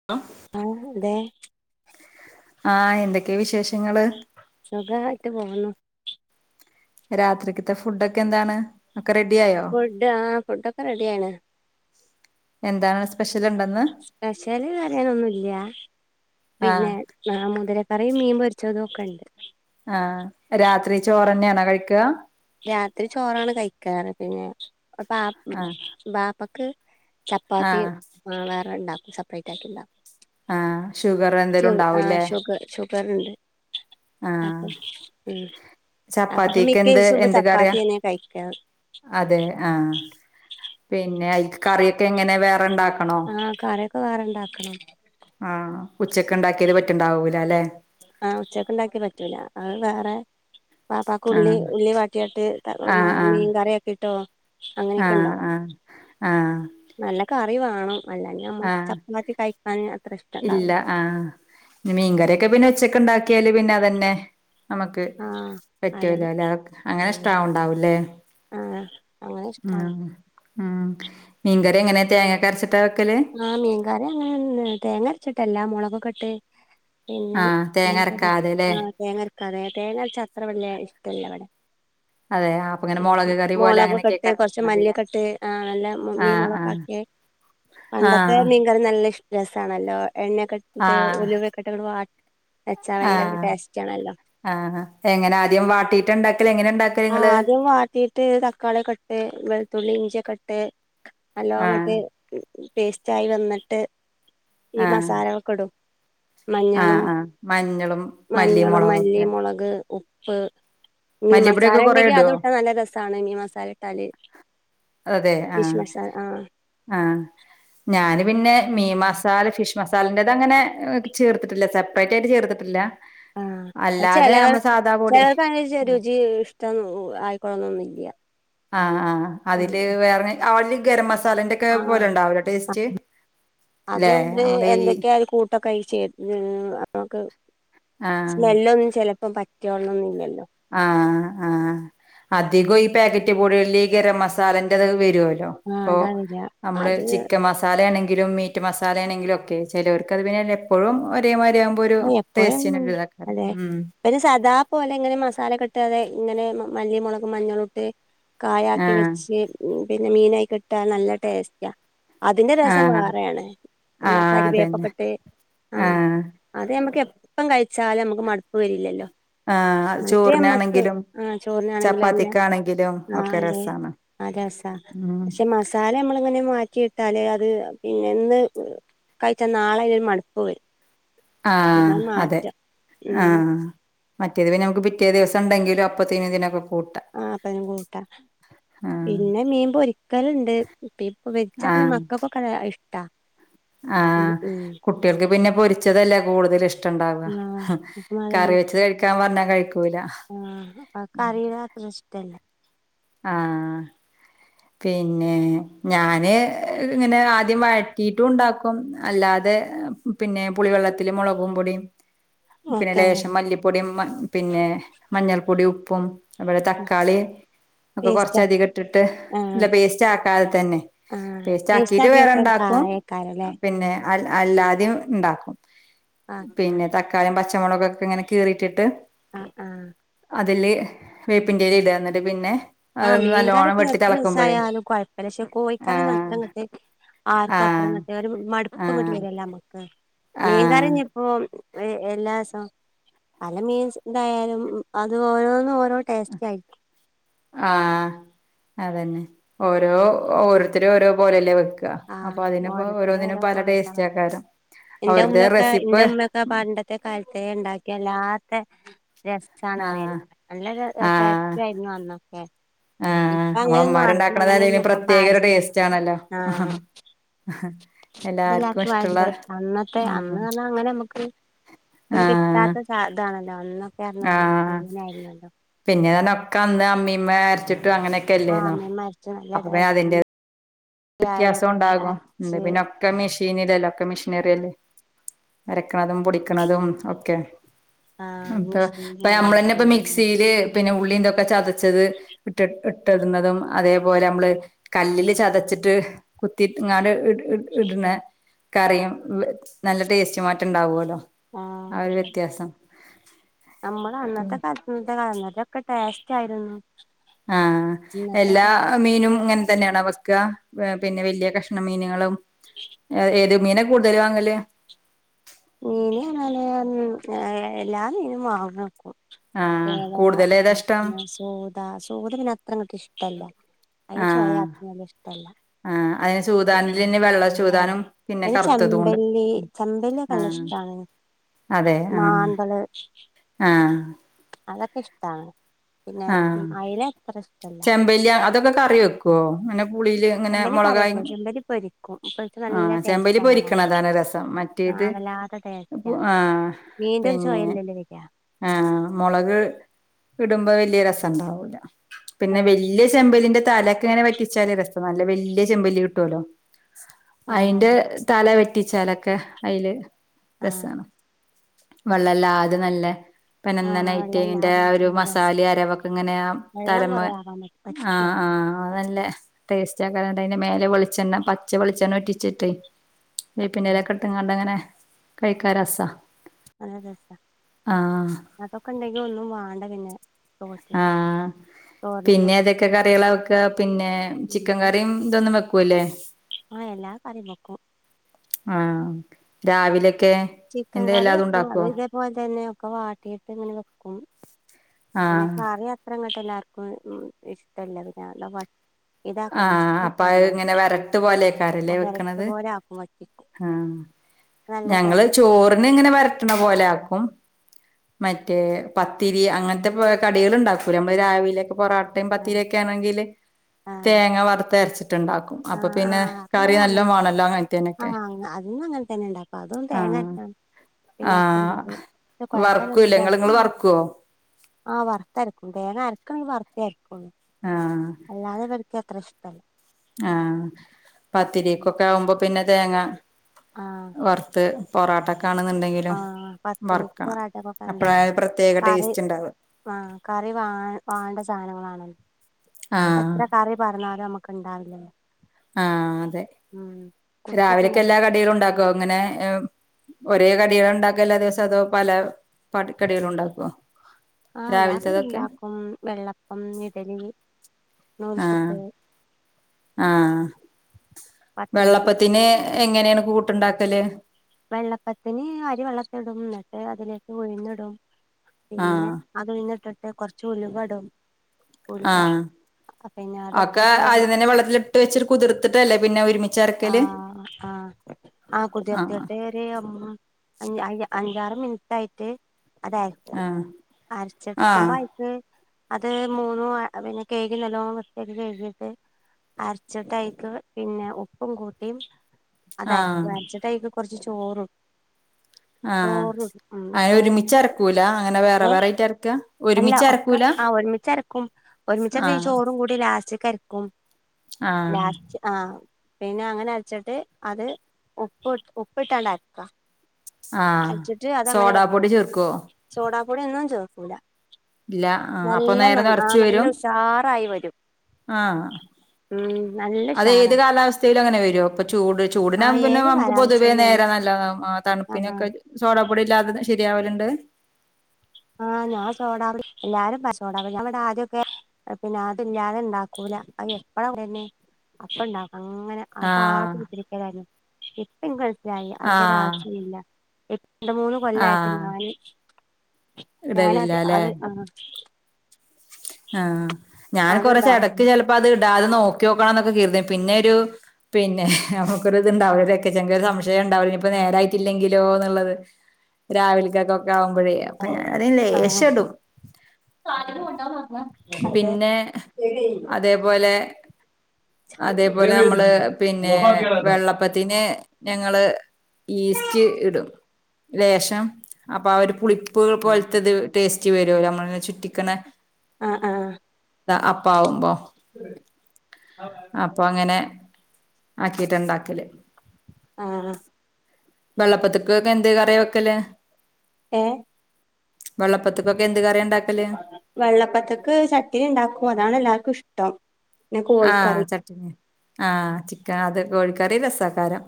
[unintelligible] തെ ആഹ് എന്തൊക്കെ വിശേഷങ്ങള്? സുഖായിട്ട് പോവുന്നു. രാത്രിക്കത്തെ ഫുഡൊക്കെ എന്താണ് ഒക്കെ റെഡി ആയോ? ഫുഡ് ആഹ് ഫുഡ് ഒക്കെ റെഡിയാണ്. എന്താണ് സ്പെഷ്യല് ഇണ്ടെന്ന് സ്പെഷ്യല് പറയാനൊന്നും ഇല്ല ആഹ് പിന്നെ ആഹ് മുതിരക്കറിം മീൻ പൊര്ച്ചതൊക്കെണ്ട്. ആഹ് രാത്രി ചോറന്നേണോ കഴിക്ക രാത്രി ചോറാണ് കഴിക്കാറ്. പിന്നെ ബാപ്പ ആഹ് ബാപ്പക്ക് ചപ്പാത്തി ആഹ് വേറെ ണ്ടാക്കും. സെപ്പ്റേറ്റ് ആക്കി ണ്ടാക്കും. ആഹ് ഷുഗർ എന്തേലും സു ആഹ് ഉണ്ടാവൂല്ലേ ഷുഗ ഷുഗറ്ണ്ട്. ആഹ് അപ്പൊ ഉം അപ്പൊ ഇപ്പൊ ചപ്പാത്തിക്ക് എന്ത് മിക്കേസും പ്പ എന്ത് കറിയാ ചപ്പാത്തിന്നെ കഴിക്ക അതെ ആഹ് പിന്നെ അയ്ക്ക് കറീക്കെ എങ്ങനെ വേറെ ണ്ടാക്കണോ? ആഹ് കറിയൊക്കെ വേറെണ്ടാക്കണം. ആഹ് ഉച്ചക്ക് ഇണ്ടാക്കിയത് പറ്റ്ണ്ടാവൂല ല്ലെ ആഹ് ഉച്ചക്ക് ഇണ്ടാക്കിയ പറ്റൂല അത് വേറെ ബാപ്പാക്ക് ഉള്ളി ആഹ് ഉള്ളി വാട്ടിയാട്ട് പിന്നെ ആഹ് ആഹ് മീൻകറിയൊക്കെ ഇട്ടോ അങ്ങനെക്കെ ആഹ് ണ്ടാവും. ആഹ് ആഹ് നല്ല കറി വാണം. അല്ലാഞ്ഞ നമ്മക്ക് ആഹ് ചപ്പാത്തി കഴിക്കാനാ ഇല്ല ആഹ് ഞ്ഞ്‌ മീൻകറിയൊക്കെ പിന്നെ ഉച്ചക്ക് ഇണ്ടാക്കിയാല് പിന്നെ അതന്നെ നമക്ക് ആഹ് അതെ പറ്റുല്ലല്ലോ അങ്ങനെ ആഹ് ഇഷ്ടാവ്ണ്ടാവ്ല്ലേ ആഹ് അങ്ങനെ ഇഷ്ടാണ് ഉം ഉം മീൻകറി എങ്ങനെ തേങ്ങ ഒക്കെ അര്ച്ചിട്ടാ വെക്കല് ആഹ് മീൻകറി അങ്ങനെ തേങ്ങ അര്ച്ചിട്ടല്ല മൊളകൊക്കെ ഇട്ട് പിന്നെ ആഹ് തേങ്ങ അരക്കാതെല്ലേ ആ തേങ്ങര്ക്കാതെ തേങ്ങര്ച്ച അത്ര വല്യ ഇഷ്ടല്ല വടെ അതെ അപ്പൊ ഇങ്ങനെ മുളക് കറി പോലെ മൊളകൊക്കെ ഇട്ട് അങ്ങനെയൊക്കെക്കാരം കൊർച്ച് വെക്കണത് മല്ലി ല്ലേ ഒക്കെട്ട് ആ നല്ല മീ ആഹ് മൊള [inaudible] ആഹ് പണ്ടത്തെ മീൻകറി നല്ല ഇഷ് രസാണല്ലോ ആഹ് എണ്ണയൊക്കെട്ട് ആഹ് ഉലുവൊക്കെ ഇട്ട് ങ്ങനെ വാ വെച്ചാ ഭയങ്കര ആഹ് ടേസ്റ്റാണല്ലോ ആഹ് അഹ് എങ്ങനെ ആദ്യം വാട്ടീട്ടാ ഇണ്ടാക്കല് എങ്ങനെ ഇണ്ടാക്ക ആഹ് അദ്യം വാട്ടീട്ട് തക്കാളിയൊക്കെ ഇട്ട് വെള്ത്തുള്ളി ഇഞ്ചിയൊക്കെ ഇട്ട് നല്ലോം ആഹ് ങ്ങട്ട് പേസ്റ്റ് ആയി വന്നിട്ട് ഈ ആഹ് മസാലളൊക്കെ ഇടും. മഞ്ഞളും ആഹ് ആഹ് മഞ്ഞളും മല്ലിയും മഞ്ഞളും, മല്ലി, മുളകൊക്കെ മൊളക്, ഉപ്പ് മീൻ മസാല മല്ലിപ്പൊടിയൊക്കെ കൊറേ ഉണ്ടെങ്കി ഇടോ അത് ഇട്ടാ നല്ല രസാണ് മീൻ മസാല ഇട്ടാല് അതെ ഫിഷ് ആഹ് മസാല ആഹ് ആഹ് ഞാന് പിന്നെ മീൻ മസാല ഫിഷ് മസാലന്റത് അങ്ങനെ ചേർത്ത്ട്ടില്ല. സെപ്പ്റേറ്റ് ആയിട്ട് ചേർത്തിട്ടില്ല ആഹ് ചെല അല്ലാതെ നമ്മള് സാധാ പൊടി ചേലോൽക്ക് അങ്ങനെ രുചി ഇഷ്ടം ആയിക്കൊള്ളണന്നും ഇല്ല ആഹ് ആഹ് അതില് വേറെ [unintelligible] ഗരം മസ മസാലന്റെ ഒക്കെ പോലെ ആഹ് ഉണ്ടാവില്ലേ ടേസ്റ്റ് അല്ലേ നമ്മടെ ഈ [unintelligible] നമക്ക് ആഹ് സ്മെല്ലൊന്നും ചിലപ്പോ പറ്റി യോളണം എന്നില്ലല്ലോ ആഹ്‌ ആഹ്‌ അധികം ഈ പാക്കറ്റ് പൊടികളില് ഗരം മസാലന്റെത് വരുവല്ലോ ആഹ് ഇപ്പോ അതാ വരാ നമ്മള് അത് ചിക്കൻ മസ മസാലയാണെങ്കിലും മീറ്റ് മസാല ആണെങ്കിലും ഒക്കെ ചിലർക്ക് അത് പിന്നെ എപ്പോഴും ഒരേമാതിരിയാകുമ്പോൾ ഒരു ആ ടേസ്റ്റിനു എപ്പോഴൊന്നും ഒരു ഇതല്ലേ അതെ പിന്നെ സദാ പോലെ ഇങ്ങനെ മസാലൊക്കെ കിട്ടാതെ ഇങ്ങനെ മല്ലിയും മുളകും മഞ്ഞളും ഇട്ട് കായാക്കി ആഹ് വെച്ച് പിന്നെ മീനായി കിട്ടാ നല്ല ടേസ്റ്റാ അതിന്റെ രസം ആഹ് വേറെയാണ് പിന്നെ ആഹ് അതന്നെ കറിവേപ്പൊക്കെ ഇട്ട് ആഹ ആഹ് അത് നമ്മക്ക് എപ്പം കഴിച്ചാലും നമ്മുക്ക് മടുപ്പ് വരില്ലല്ലോ ആഹ് മറ്റേ നമ്മക്ക് ചോറിനാണെങ്കിലും ആ ചോറിനാണെങ്കിലും അല്ല ചപ്പാത്തിക്കാണെങ്കിലും ആഹ്‌ ഒക്കെ അല്ലെ രസാണ് ആഹ്‌ രസ ഉം പക്ഷെ മസാ സാല നമ്മളിങ്ങനെ മാറ്റിയിട്ടാൽ അത് പിന്നെന്ന് കഴിച്ചാൽ നാളെ അതിനൊരു മടുപ്പ് വരും അതാ ആഹ് അതെ മാറ്റം ഉം ആഹ് മറ്റേത് നമുക്ക് പിറ്റേ ദിവസം ഉണ്ടെങ്കിൽ അപ്പത്തിനതിനൊക്കെ കു ആഹ് അപ്പഴും കൂട്ട ആഹ് പിന്നെ മീൻ പൊരിക്കലുണ്ട് ഇപ്പ ഇപ്പൊ വെച്ചെ ആഹ് മക്കക്കെ അതാ ഇഷ്ടം ആഹ് കുട്ടികൾക്ക് പിന്നെ പൊരിച്ചതല്ലേ കൂടുതൽ ഇഷ്ടണ്ടാവുക ആഹ് അപ്പം അതാണ് കറി വെച്ചത് കഴിക്കാൻ പറഞ്ഞാ കഴിക്കൂല ആഹ് കറീ ആർക്കും അത്ര ഇഷ്ടല്ല ആഹ് പിന്നെ ഞാന് ഇങ്ങനെ ആദ്യം വഴറ്റിട്ടും ഉണ്ടാക്കും അല്ലാതെ പിന്നെ പുളിവെള്ളത്തില് മുളകും പൊടിയും പിന്നെ ഓക്കെ ലേശം ആഹ് മല്ലിപ്പൊടിയും മ പിന്നെ മഞ്ഞൾപ്പൊടി ഉപ്പും അവിടെ തക്കാളി ഒക്കെ പേസ്റ്റ് കൊറച്ചധികം ഇട്ടിട്ട് ഇല്ല ആഹ് പേസ്റ്റ് ആക്കാതെ തന്നെ ആഹ് പേസ്റ്റ് ആക്കിട്ട് ആക്കി വെക്കാൻ വേറെണ്ടാക്കും കായക്കാരല്ലേ പിന്നെ അ അല്ലാതെ ഉണ്ടാക്കും ആഹ് പിന്നെ ആഹ് ത കാര്യം പച്ചമുളകൊക്കെ ഇങ്ങനെ കിറിട്ടിട്ട് ആഹ് ആഹ് അതില് വേപ്പിന്റെ ഇടുക പിന്നെ അതൊന്ന് നല്ലോണ്ണം വെട്ടി തിള ഏതാലും കുഴപ്പില്ല കോഴിക്കാരൊന്നും അത്ര അങ്ങട്ടെ ആർക്കും അത്ര ആഹ് അങ്ങട്ടെ ഒരു മടുപ്പ് ആഹ് [unintelligible] [unintelligible] മീൻ ആഹ് കറിനിപ്പോ എല്ലാ ദിവസം പല മീൻസ് എന്തായാലും അത് ഓരോന്നും ഓരോ ടേസ്റ്റ ആയിട്ടും ആഹ് അത് തന്നെ ഓരോ ഓരോരുത്തരും ഓരോ പോലല്ലേ വെ ക്കണ അപ്പൊ ആഹ് അതിപ്പോ ഓരോരുത്തര് ഓരോന്നിനും ഓരോ പല ടേസ്റ്റ കോലത്താണ് ആക്കാരും എന്റെ ഉമ്മയൊക്കെ എന്റെ ഉമ്മയൊക്കെ പാണ്ടത്തെ കാലത്ത ഉണ്ടാക്കിയ അല്ലാത്ത ര സാ ആഹ് അറിയല്ല നല്ല ആഹ് ടസ്റ്റ് ആയിരുന്നു അന്നൊക്കെ ആഹ് ഇപ്പൊ അങ്ങനെയൊന്നും ആർക്കും നമ്മളമാരുണ്ടാക്കണ അല്ലേലും അങ്ങനെയൊന്നും ഇപ്പൊ പ്രത്യേക ഒരു പാചകം ടേസ്റ്റ് ആണല്ലോ ആഹ് അതെല്ലാർക്കും ഭയങ്ക ഇഷ്ട അന്നത്തെ ഉം അന്ന് പറഞ്ഞാൽ അങ്ങനെ നമുക്ക് ഒന്നും ആഹ് കിട്ടാത്ത അതാണല്ലോ അന്നൊക്കെ പറഞ്ഞാല് കുഞ്ഞാരുന്നല്ലോ പിന്നെതന്ന ഒക്കെ അന്ന് അമ്മീമ്മ അരച്ചിട്ടും ആഹ് അങ്ങനെയൊക്കെല്ലേന്നോ അമ്മീമ്മ അരച്ച നല്ല അപ്പൊ അതിന്റെ ടേസ്റ്റ് വ്യത്യാസം അയലൊക്കെ ഉണ്ടാകും അരച്ച് പിന്നെ ഒക്കെ മെഷീനിലല്ലേ ഒക്കെ ആഹ് മെഷീനറിയല്ലേ അരക്കണതും പൊടിക്കണതും ഒക്കെ ആഹ് ഇപ്പ നമ്മള് മെഷീനിലാണല്ലോ തന്നെ ഇപ്പ മിക്സിയില് പിന്നെ ഉള്ളീന്തൊക്കെ ചത ട്ടതും ഇട്ട ഇട്ടതും അതേപോലെ നമ്മള് കല്ലില് ചതച്ച് ട്ട് കുത്തി ഇങ്ങ ഇട് ഇട് ഇട് ഇടുന്ന കറിയും നല്ല ടേസ്റ്റുമായിട്ട് ഉണ്ടാവല്ലോ ആ തന്നെ അമ്മളെ അന്നത്തെ കാ [unintelligible] ഒക്കെ ടേസ്റ്റ് ആയിരുന്നു ആ എല്ലാ ഇന്നത്തൊക്കെ മീനും ഇങ്ങൻ തന്നെണോ വെക്ക പിന്നെ വല്യ കഷ്ണം മീനുകളും ഏ ഏത് മീന കൂടുതല് വാങ്ങല് മീന് പർഞ്ഞാല് എല്ലാ മീനും വാങ്ങക്കും ആഹ് കൂടുതല് ഏതാ ഇഷ്ടം സൂദ സൂദ പിന്നെ അത്രങ്ങട്ട് ഇഷ്ടല്ല അഴിന് ചോയാ [unintelligible] ഇഷ്ടല്ല ആ അഴിന് സൂതാൻലന്നെ വെള്ള ആഹ് ചൂതാനും പിന്നെ കറുത്തതുണ്ട് ചെമ്പല്ലി ചെമ്പല്ലി ഒക്കെ നല്ല ആഹ് ഇഷ്ടാണ് അതെ ആഹ് മാന്തള് ആഹ് അതൊക്കെ ഇഷ്ടാണ് പിന്നെ അയല അത്ര ഇഷ്ടല്ല വല്യ അതൊക്കെ കറി വെക്കൊ അങ്ങനെ പുളില് ഇങ്ങനെ ചെമ്പല്ലി കറി മൊളകായി വെക്കും ചെമ്പല്ലി പൊരിക്കും പൊരിച്ച ആ നല്ല ചെമ്പല്ലി ടേസ്റ്റ് ആണല്ലോ ആ മീൻ പൊരിക്ക്ണതാണ് രസം മറ്റേത് പു ആഹ് മീന്റന്നും ചോയല്ലല്ലേ വര ആ മൊളക് ഇടുമ്പോ വല്യ രസണ്ടാവൂല പിന്നെ ആഹ് വല്യ ചെമ്പല്ലിന്റെ താലൊക്കെ ഇങ്ങനെ വറ്റിച്ചാല് രസ നല്ല വല്ല്യ ചെമ്പല്ലി കിട്ടൊലൊ ആഹ് അയിന്റെ അതെ തല വെറ്റിച്ചാലൊക്കെ അഴില് ആഹ് രസാണ് വെള്ളല്ലാത നല്ല ആഹ് പെനെന്നനായിട്ട് അയിന്റെ വെള്ളല്ലാതെ ആ ഒരു വെച്ചാണ് രസം മസാലി അരവൊക്കെ ഇങ്ങനെ ആ വെള്ളം തലമ കൊറേ ആവാൻ ആ ആ പറ്റും അത് പറ്റും നല്ലേ ടേസ്റ്റ് ആകാരം ന്നട്ട് അയിന്റെ മേലെ വെളിച്ചെണ്ണ പച്ച വെളിച്ചെണ്ണ ഉറ്റിച്ചിട്ട് പിന്നെ ആഹ് ട്ട്ങ്ങാണ്ടങ്ങനെ കഴിക്കാ രസ നല്ല ടെസ്റ്റാ ആഹ് അതൊക്കെ ഇണ്ടെങ്കി ഒന്നും വാണ്ട പിന്നെ ആ ചോറ്റിന് ചോറിന് പിന്നെ കൂട്ടി ഏതെക്കെ കറികളാ വെക്ക പിന്നെ ചിക്കൻ കറിം ഇതൊന്നും വെക്കൂലെ ആ എല്ലാ കറിം വെക്കും ആ രാവിലെക്കെ ചിക്കൻ കറി വെക്കും അതും ഇതേപോൽ തന്നെ ഒക്കെ വാട്ടിയിട്ട് ഇങ്ങനെ വെക്കും പിന്നെ ആഹ് കറി അത്ര ഇങ്ങട്ട് എല്ലാർക്കും ഇഷ്ടല്ല പിന്നെ ആ ഇതാക്കണം അപ്പ അഹ് ഇഷ്ടാക്കലാണ് ഇങ്ങനെ വരട്ട് പോലെക്കാര ല്ലേ വെക്ക്ണത് ലാക്കും വറ്റിക്കും ആ നല്ല ഞങ്ങള് ടേസ്റ്റ് ചോറ്ന് ഇങ്ങനെ വര്ട്ട്ണ പോലെ ആക്കും മറ്റേ പത്തിരി അങ്ങൻ ത്തെ കടികള് ഇണ്ടാക്കൂലെ നമ്മള് രാവിലെക്കെ പൊറോട്ടിം ആഹ് പത്തിരിയൊക്കെ ആണെങ്കില് ആഹ് തേങ്ങ വറുത്ത അരച്ട്ട്ണ്ടാക്കും അപ്പൊ ആഹ് പിന്നെ ആഹ് അത് കറി ഞങ്ങള് അങ്ങനെ നല്ലോം തന്നെ വാണല്ലോ അങ്ങൻത്തേനൊക്കെ ആഹ് അതിനും അങ്ങനെ തന്നെ ഇണ്ടാക്കും അതും ആ തേങ്ങ ആ കൊയപ്പല്ല [unintelligible] ആ വർ ത്തര്ക്കും തേങ്ങ അര്ക്കാണെങ്കി വർത്തെ അര്ക്കൊള്ളു ആഹ് അല്ലാതെ ഇവര്ക്ക് അത്ര ഇഷ്ടല്ല ആ പത്തിരിക്കൊക്കെ ആവുമ്പോ പിന്നെ തേങ്ങ ആ വർത്ത് പൊറാട്ടക്കാണ്ന്ന് ണ്ടെ ആ പത്തിരിക്ക് പൊറാട്ടക്കൊക്കല്ലേ അപ്പഴാ ഒരു പ്രത്യേക കറി ടേസ്റ്റ് ഉണ്ടാവുക ആ കറി വാ വാണ്ട സാനങ്ങളാണ് അയ്ക്ക് ആഹ് എത്ര കറി പാർന്നാലും നമുക്ക്ണ്ടാവില്ലല്ലോ ആ അതെ. കുത്തി രാവിലെക്ക് തിന്നാൻ എല്ലാ കടികളും ഇണ്ടാക്കോ ഇങ്ങനെ ഒരേ കടികള്ണ്ടാക്ക എല്ലാ ദിവസവും അതോ പല പട് കടികളുണ്ടാക്കോ ആഹ് എല്ലാ കടിണ്ടാക്കും വെള്ളപ്പം, ഇഡലി ആഹ് നൂൽപുട്ട് ആഹ് പത്തിരി വെള്ളപ്പത്തിന് എങ്ങനെണ് കൂട്ട്ണ്ടാക്കല്? വെള്ളപ്പത്തിന് അരി വെള്ളത്തിടുംന്നട്ട് അതിലേക്ക് ഉഴ്ന്ന്ടും പിന്നെ ആഹ് അത് പിന്നെട്ടിട്ട് കൊർച്ച് ഉലുവ ടും ആഹ് പിന്നെ ഒക്കെ അതിട്ടിട്ട് ആദ്യം തന്നെ വെള്ളത്തിലിട്ട് വെച്ചിട്ട് കുതിർത്തിട്ടല്ലേ പിന്നെ ഒര്മി ആഹ് ആഹ് ആഹ് കുതിർത്ത്യാട്ട് ഏഹ് എം അയ് അഞ്ചാറ് മിൻറ്റായിട്ട് അതാര്ക്കും ആഹ് ആഹ് അരച്ചെട്ക്കുമ്പയ്ക്ക് അത് മൂന്നു എഹ് പിന്നെ കഴ്കി നല്ലോം വൃത്ത്യാക്കി കഴ്കിട്ട് അരച്ട്ടയ്ക്ക് പിന്നെ ഉ പ്പും കുട്ടി ആഹ് അതരക അര്ച്ചിട്ടയ്ക്ക് കൊർച്ച് ചോറ് [inaudible] ആഹ് അങ്ങനെ ഒരുമിച്ചരക്കൂല അങ്ങനെ വേറെ ഏ വേറായിട്ടരക്ക ഒരുമിച്ചരക്കൂല? ക്കും ഒരുമിച്ചണ്ട് ഈ ആഹ് ചോറും കൂടി ലാസ്റ്റ് കരക്കും ആഹ് ലാസ്റ്റ് ആഹ് പിന്നെ അങ്ങനെ അരച്ചിട്ട് അത് ഉപ്പ് ഉപ്പിട്ടാണ്ടരക്ക ആഹ് അര്ച്ചിട്ട് അതങ്ങനെ സോഡാപ്പൊടി വെക്കും ചേർക്കോ സോടാപ്പൊടിയൊന്നും ചേർക്കൂല. ഇല്ല ആഹ് അപ്പൊ നല്ല നേരെ നന്ന നെറച്ച് ആഹ് നല്ല വരും ഉഷാറായി വരും. ആഹ് ഉം നല്ല ഷാ [unintelligible] ത്തേലങ്ങനെ വെരോ ഇപ്പൊ ചൂട് ചൂട്നാവുമ്പോ പിന്നെ ഏത് നമക്ക് പൊതുവേ കാലാവസ്ഥയിൽ വരും നേരെ നല്ലത ആ ആഹ് തണ്പ്പിനൊക്കെ സോഡപ്പൊടില്ലാതെന്നെ ശെര്യാവല്ണ്ട്. ആഹ് ഞാൻ സോഡാ പൊടി എല്ലാരും പറിം സോഡാ പൊടി ഞാംവടെ ആദ്യൊക്കെ പിന്നെ അതില്ലാതെ ണ്ടാക്കൂല അത് എപ്പഴ പറിണെ അപ്പ ണ്ടാക്കും അങ്ങനെ അത് കാത്ത് ആഹ് കുത്തർക്കലേനു ഇപ്പൻക്ക് മൻസ്സിലായി ആഹ് അയ്ൻ്റെരാവശ്യൂല്ല ഇ രണ്ട് മൂന്ന് കൊല്ലായിട്ട് ആഹ് ഞാന് ഞാനത് ഇടലില്ലാല്ലേ അത് ആഹ് ആഹ് ഞാൻ അത്ടാ കുറച്ചെടക്ക് ചെലപ്പത് ടാതെ നോക്ക്യോക്കണംന്നൊക്കെ കെര്തീണ് പിന്നെരു പിന്നെ നമുക്കൊര്ത്ണ്ടാവുലെ ഒരെക്കെച്ചെങ്കരു സംശയണ്ടാവൂല്ല ഇഞ്പ്പോ നേരായിട്ടില്ലെങ്കിലോ ന്ന്ള്ളത് രാവിൽക്കൊക്കാവുമ്പഴേ അപ്പൊ ഞാനതി ആഹ് ലേശടും അതെ തേപോലെ അതേപോലെ നമ്മള് പിന്നെ വെള്ള അപ്പത്തിന് ഞങ്ങള് ഈസ്റ്റ് ഇടും ലേശം അപ്പാ ഒര് പുളി പ്പ് പോൽത്തത് ടേസ്റ്റ് വെരോലോ നമ്മള് ചുറ്റിക്ക്ണെ ആഹ് ആഹ് താ അപ്പാവുമ്പോ ആ അപ്പോ ങ്ങനെ ആക്കിട്ടാണ്ടാക്കല്. ആഹ് വെള്ളപ്പത്ത് ക്കെന്തേ കറ്യാ വെക്കല്. ഏഹ് വെള്ളപ്പത്ത്ക്കൊക്കെ എന്ത് കറ്യാ ണ്ടാക്കല്. വെള്ളപ്പത്ത്ക്ക് ചട്ടിണി ണ്ടാക്കും അതാണ് എല്ലാർക്കുഷ്ടം. ആഹ് ചട്ടിണി ആഹ് ചിക്കൻ അത് കോഴിക്കറിം രസേക്കാരം.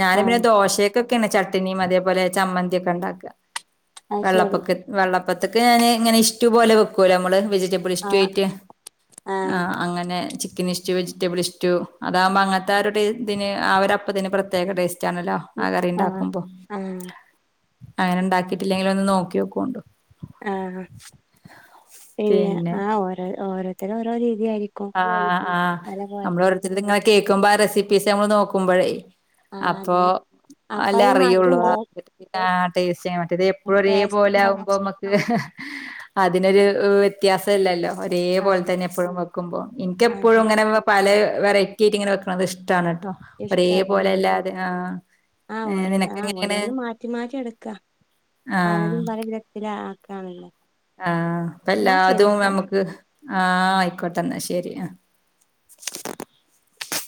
ഞാന് പിന്നെ ആഹ് ദോശെക്കൊക്കെണ് ചട്ടിണിം അതേപോലെ ചമ്മന്ത്യൊക്കെണ്ടാക്ക. അത് ശരി വെള്ളപ്പൊക്ക വെള്ളപ്പത്ത്ക്ക് ഞാന് ഇങ്ങനെ ഇഷ്ടി പോലെ വെക്കൊല്ലോ അമ്മള് വെജിറ്റബിൾ ആഹ് ഇഷ്ട്ട്യായിട്ട്. ആഹ് അങ്ങനെ ചി ക്കനിഷ്റ്റു വെജിറ്റബിൾ ഇഷ്റ്റു അതാവുമ്പോ അങ്ങൻത്താ ഒരു ടേ ഇതിന് ആ ഒരപ്പത്തിന് പ്രത്യേക ടേസ്റ്റാണല്ലോ. ആ ആഹ് കറിണ്ടാക്കുമ്പോ ആഹ് അങ്ങനെണ്ടാക്കിട്ടില്ലെങ്കില് ഒന്ന് നോക്ക്യോക്കോണ്ടു. ആഹ പിന്നെ. ആ ഓരോ ഓരോരുത്തര ഓരോ രീതിയയിരിക്കും. ആഹ ആ നമ്മള് ഓരോരിത്തരുത് ഇങ്ങനെ കേൾക്കുമ്പോ ആ റെസിപ്പീസ് നമ്മൾ നോക്കുമ്പോഴേ. ആഹ് അപ്പൊ അതെ അപ്പൊ അല്ല അയിന് മാറ്റം അറിയുള്ളു ഇണ്ടാവും ആ ടേസ്റ്റ് ചെയ്യാൻ പറ്റിയത്. ഇപ്പോഴ ഒരേ ടേസ്റ്റ് ഇണ്ടാവും പോലൊവുമ്പോ അതിനൊരു വ്യത്യാസം ഇല്ലല്ലോ ഒരേ പോലെ ആഹ് തന്നെ എപ്പോഴും വകും. അപ്പൊ എനിക്കെപ്പോഴും അതെ ഇങ്ങനെ പല വെറൈറ്റിയിട്ട് ഇങ്ങനെ വെക്കണുന്നത് ഇഷ്ടമാണ്. കേട്ടോ? ഒരേ ഇഷ്ടണ് പോലെ അല്ലാതെ ആഹ് ആഹ ഏഹ് ഓരോ നിനക്ക് ആഹ എങ്ങനെയാണ് ഓരോന്നും മാറ്റി മാറ്റി എടുക്ക. ആഹ് പലതും പല വിധത്തില ആക്കാണല്ലേ? ആഹ അപ്പ എല്ലാ അതും നമക്ക് ആഹ ആയിക്കോട്ടെന്നെ ശെരി. ആ